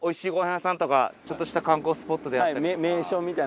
屋さんとかちょっとした観光スポットであるとか。